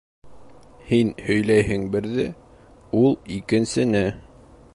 Һин һөйләйһең берҙе, ул икенсене.